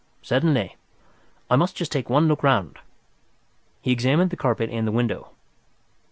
"Certainly. I must just take one look round." He examined the carpet and the window.